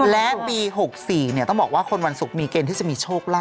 และปี๖๔ต้องบอกว่าคนวันศุกร์มีเกณฑ์ที่จะมีโชคลาภ